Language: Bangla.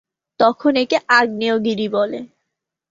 তখন একে "আগ্নেয়গিরি" বলে।